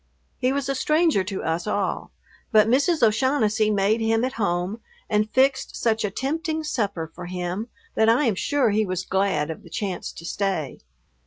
He was a stranger to us all, but Mrs. O'Shaughnessy made him at home and fixed such a tempting supper for him that I am sure he was glad of the chance to stay.